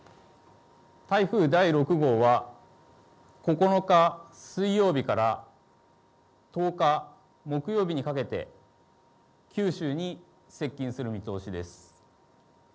台風第６号は９日水曜日から１０日木曜日にかけて九州に接近する見通しです。